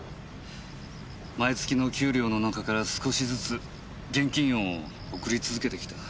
毎月の給料の中から少しずつ現金を送り続けてきた。